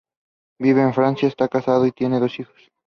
Vive en Francia, está casado y tiene dos hijos.